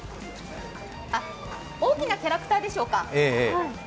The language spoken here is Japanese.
あっ、大きなキャラクターでしょうか？